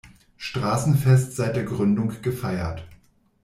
Straßenfest seit der Gründung gefeiert.